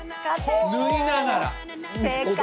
縫いながら。